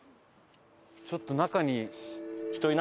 ちょっと中に。